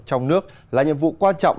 trong nước là nhiệm vụ quan trọng